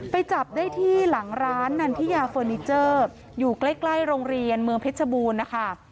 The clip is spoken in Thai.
จับได้ที่หลังร้านนันทิยาเฟอร์นิเจอร์อยู่ใกล้โรงเรียนเมืองเพชรบูรณ์นะคะ